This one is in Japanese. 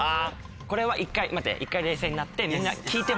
これは一回待って一回冷静になって。